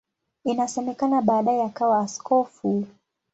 Inasemekana baadaye akawa askofu.